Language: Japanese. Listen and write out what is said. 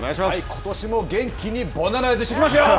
ことしも元気にボナライズしていきますよ！